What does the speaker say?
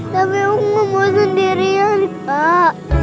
tapi aku gak mau sendirian kak